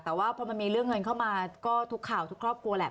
แต่ว่าพอมันมีเรื่องเงินเข้ามาก็ทุกข่าวทุกครอบครัวแหละ